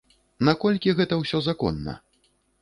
Наколькі гэта ўсё законна?